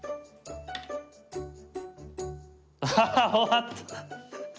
あっ終わった。